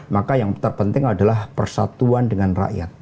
maka yang terpenting adalah persatuan dengan rakyat